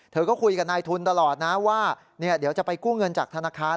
เธอก็คุยกับนายทุนตลอดนะว่าเดี๋ยวจะไปกู้เงินจากธนาคาร